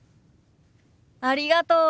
ありがとう！